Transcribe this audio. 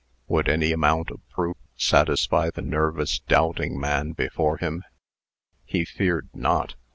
Would any amount of proof satisfy the nervous, doubting man before him? He feared not.